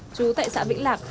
chú tại xã vĩnh lạc